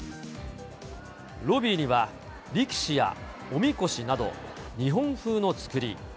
ロビーには、力士やおみこしなど、日本風のつくり。